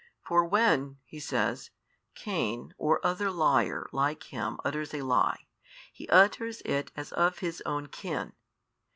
For when (He says) Cain or other liar like him utters a lie, he utters it as of his own kin.